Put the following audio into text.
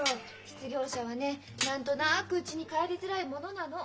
失業者はね何となくうちに帰りづらいものなの。